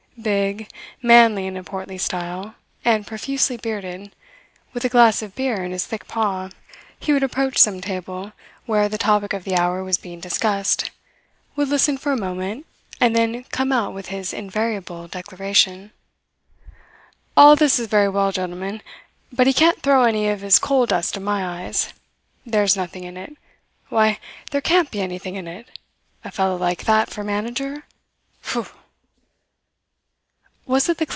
Big, manly in a portly style, and profusely bearded, with a glass of beer in his thick paw, he would approach some table where the topic of the hour was being discussed, would listen for a moment, and then come out with his invariable declaration: "All this is very well, gentlemen; but he can't throw any of his coal dust in my eyes. There's nothing in it. Why, there can't be anything in it. A fellow like that for manager? Phoo!"